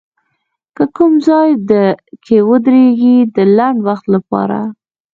که کوم ځای کې ودرېږي د لنډ وخت لپاره